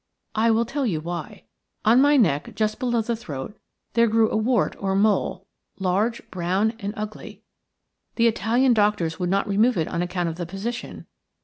I will tell you why. On my neck, just below the throat, there grew a wart or mole – large, brown, and ugly. The Italian doctors would not remove it on account of the position.